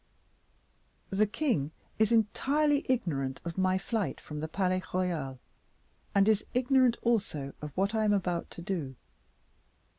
The king is entirely ignorant of my flight from the Palais Royal, and is ignorant also of what I am about to do."